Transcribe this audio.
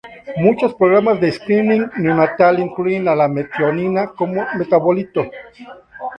Muchos programas de screening neonatal incluyen a la metionina como metabolito.